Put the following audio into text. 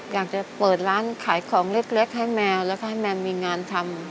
อยากจะเปิดร้านขายของเล็กให้แมวแล้วก็ให้แมวมีงานทำ